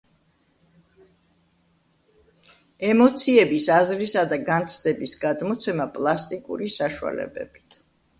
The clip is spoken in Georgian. ემოციების, აზრისა და განცდების გადმოცემა პლასტიკური საშუალებებით.